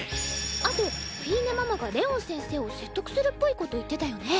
あとフィーネママがレオン先生を説得するっぽいこと言ってたよね。